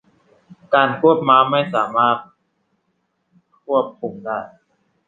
การควบม้าไม่สามารถควบคุมได้